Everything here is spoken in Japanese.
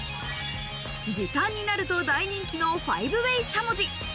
時短になると大人気の５ＷＡＹしゃもじ。